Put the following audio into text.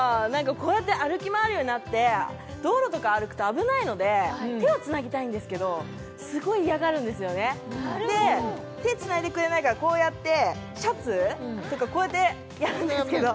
こうやって歩き回るようになって道路とか歩くと危ないので手をつなぎたいんですけどすごい嫌がるんですよねで手つないでくれないからこうやってシャツとかこうやってやるんですけど